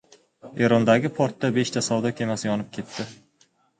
Erondagi portda beshta savdo kemasi yonib ketdi